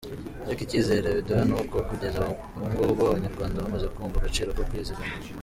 Ariko icyizere biduha ni uko kugeza ubungubu Abanyarwanda bamaze kumva agaciro ko kwizigamira.